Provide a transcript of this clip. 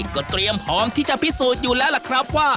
ก็เตรียมพร้อมที่จะพิสูจน์อยู่แล้วล่ะครับว่า